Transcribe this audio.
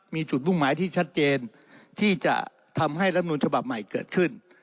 มีจุดมุ่งหมายที่ชัดเจนที่จะทำให้รัฐมนุนฉบับใหม่เกิดขึ้น